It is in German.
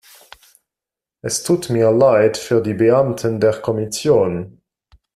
Es tut mir leid für die Beamten der Kommission!